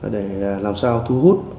để làm sao thu hút